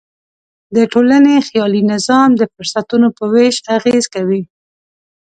د ټولنې خیالي نظام د فرصتونو په وېش اغېز کوي.